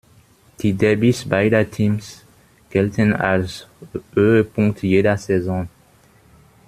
Die Derbys beider Teams gelten als Höhepunkt jeder Saison.